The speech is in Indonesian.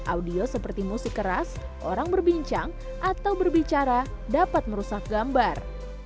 audio seperti musik keras orang berbincang atau berbicara dapat merusak gambar